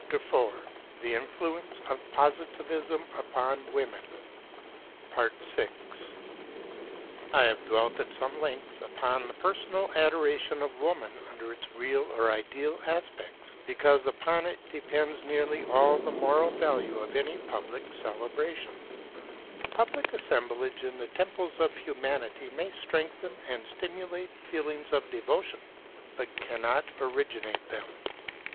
[The worship of Woman a preparation for the worship of Humanity] I have dwelt at some length upon the personal adoration of Woman under its real or ideal aspects, because upon it depends nearly all the moral value of any public celebration. Public assemblage in the temples of Humanity may strengthen and stimulate feelings of devotion, but cannot originate them.